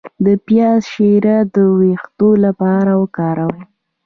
د پیاز شیره د ویښتو لپاره وکاروئ